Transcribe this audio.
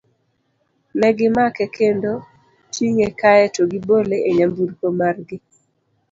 Ne gimake kendo tinge kae to gibole e nyamburko mar gi.